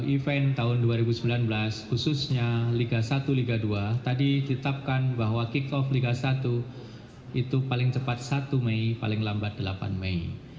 event tahun dua ribu sembilan belas khususnya liga satu liga dua tadi ditetapkan bahwa kick off liga satu itu paling cepat satu mei paling lambat delapan mei